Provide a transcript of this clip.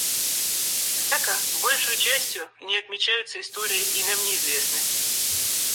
Однако, большею частию, не отмечаются историей и нам неизвестны.